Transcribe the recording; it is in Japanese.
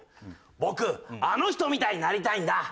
僕あの人みたいになりたいんだ。